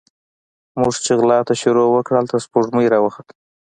موږ چې غلا ته شروع وکړه، هلته سپوږمۍ راوخته